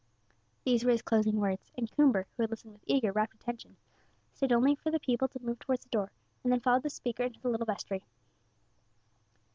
These were his closing words, and Coomber, who had listened with eager, rapt attention, stayed only for the people to move towards the door, and then followed the speaker into the little vestry.